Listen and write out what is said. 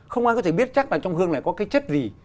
không ai có thể biết chắc là trong hương này có cái chất gì